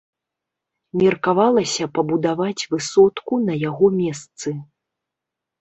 Меркавалася пабудаваць высотку на яго месцы.